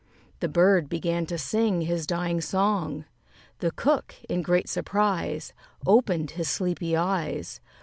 The bird began to sing his dying song: The Cook, in great surprise, Opened his sleepy eyes.